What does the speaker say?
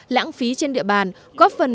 lãng phí trên địa bàn